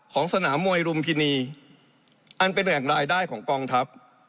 สนามมวยรุมพินีอันเป็นแหล่งรายได้ของกองทัพ